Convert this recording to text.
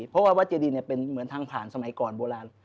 เพราะว่าวัดเจดีเป็นเหมือนทางผ่านสมัยก่อนโบราณ